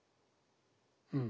うん。